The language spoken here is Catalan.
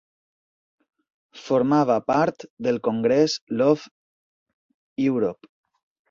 Formava part del congrés Love Europe.